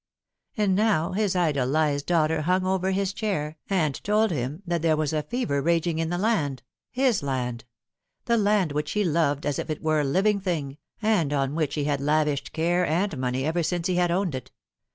And now his idolised daughter hung over his chair and told him that there was fever raging in the land, his land ; the land which he loved as if it were a living thing, and on which he had lavished care and money ever since he had owned it.